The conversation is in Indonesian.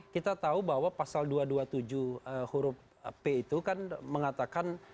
kita tahu bahwa pasal dua ratus dua puluh tujuh huruf p itu kan mengatakan